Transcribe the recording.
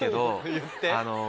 言って。